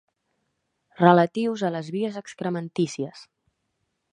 Relatius a les vies excrementícies.